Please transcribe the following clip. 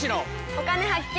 「お金発見」。